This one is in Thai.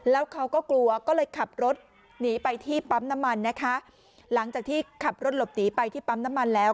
แล้วเขาก็กลัวก็เลยขับรถหนีไปที่ปั๊มน้ำมันนะคะหลังจากที่ขับรถหลบหนีไปที่ปั๊มน้ำมันแล้ว